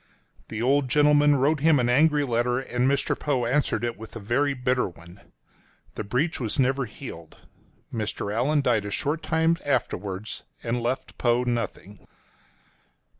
The old gentleman wrote him an angry letter, and Mr. Poe answered it with a very bitter one. The breach was never healed. Mr. Allan died a short time afterwards, and left Poe nothing.